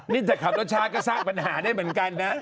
นี่แต่ขับรถช้าก็สร้างปัญหาได้เหมือนกันนะ